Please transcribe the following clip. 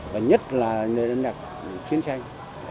và nhất là nền âm nhạc chiến tranh